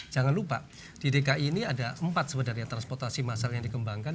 jangan lupa di dki ini ada empat sebenarnya transportasi masal yang dikembangkan